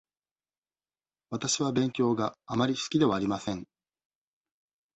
わたしは勉強があまり好きではありません。